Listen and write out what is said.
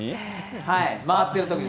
回ってるときに。